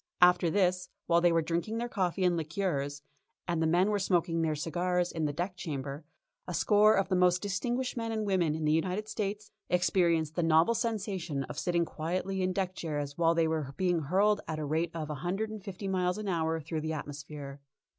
After this, while they were drinking their coffee and liqueurs, and the men were smoking their cigars in the deck chamber, a score of the most distinguished men and women in the United States experienced the novel sensation of sitting quietly in deck chairs while they were being hurled at the rate of a hundred and fifty miles an hour through the atmosphere.